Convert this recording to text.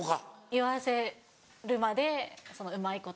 言わせるまでそのうまいこと。